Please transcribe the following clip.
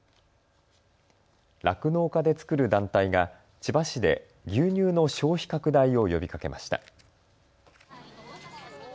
酪農家で作る団体が千葉市で牛乳の消費拡大を呼びかけました。